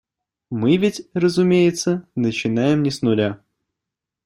Мы ведь, разумеется, начинаем не с нуля.